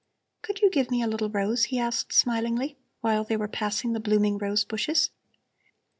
"Could you give me a little rose?" he asked smilingly, while they were passing the blooming rose bushes.